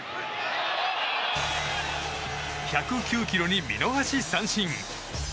１０９キロに見逃し三振。